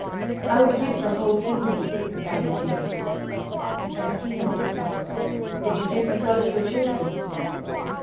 "I would give this whole kingdom," replied Liviella. And the King answered, "Would you give the blood of your children?"